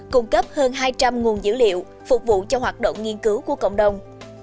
cung cấp hơn hai trăm linh nguồn dữ liệu phục vụ cho hoạt động nghiên cứu của cộng đồng